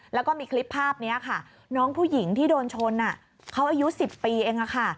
แล้วก็มีคลิปภาพนี้ค่ะน้องผู้หญิงที่โดนชนเขาอายุ๑๐ปีเองค่ะ